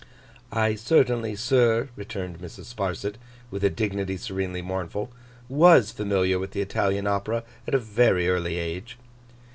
'I certainly, sir,' returned Mrs. Sparsit, with a dignity serenely mournful, 'was familiar with the Italian Opera at a very early age.